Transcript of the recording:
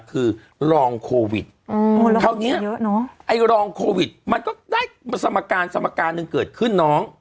คือรองโควิดคราวนี้เยอะเนอะไอ้รองโควิดมันก็ได้สมการสมการหนึ่งเกิดขึ้นน้อง